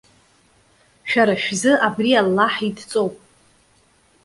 Шәара шәзы абри Аллаҳ идҵоуп.